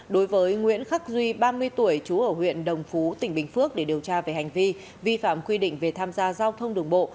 đối với nguyễn khắc duy ba mươi tuổi chú ở huyện đồng phú tỉnh bình phước để điều tra về hành vi vi phạm quy định về tham gia giao thông đường bộ